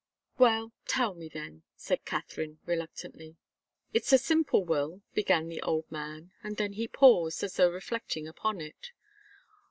"Well tell me, then," said Katharine, reluctantly. "It's a simple will," began the old man, and then he paused, as though reflecting upon it.